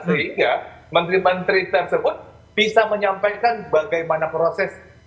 sehingga menteri menteri tersebut bisa menyampaikan bagaimana proses